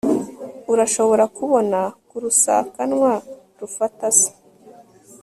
Urashobora kubona ku rusakanwa rufata se